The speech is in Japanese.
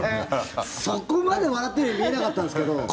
そこまで笑ってるように見えなかったんですけど。